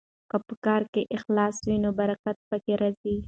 که په کار کې اخلاص وي نو برکت پکې راځي.